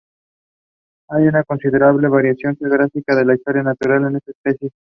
Hay una considerable variación geográfica en la historia natural de esta especie.